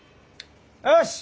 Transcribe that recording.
よし！